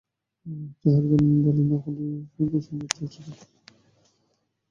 চেহারা তেমন ভালো না হলেও দুটি সুন্দর চোখ ছিল।